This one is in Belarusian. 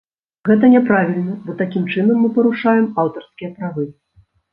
Гэта няправільна, бо такім чынам мы парушаем аўтарскія правы.